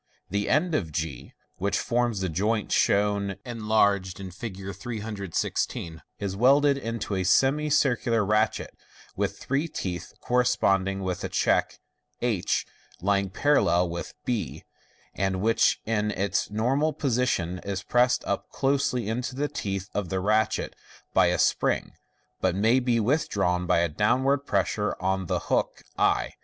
The end of g, which forms the joint shown enlarged in Fig. 316, is welded into a semicircular ratchet, with three teeth corresponding with a check //, lying parallel with b b, and which, in its normal position, is pressed up close into the teeth of the ratchet by a spring, but may be withdrawn by a downward pressure on the hook i.